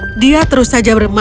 tidak ada yang tidak bisa dihapuskan